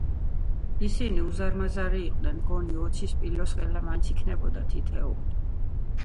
ისინი უზარმაზარნი იყვნენ. მგონი, ოცი სპილოსხელა მაინც იქნებოდა თითოეული.